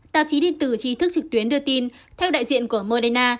tạp chí điện tử trí thức trực tuyến đưa tin theo đại diện của moderna